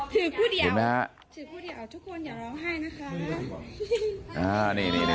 ถือผู้เดียวทุกคนอยากลาออกให้นะคะ